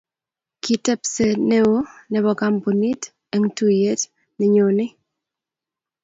kitepsee neo nebo kampunit eng tuiyet nenyonei